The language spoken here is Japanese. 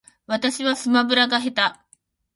私はスマブラが下手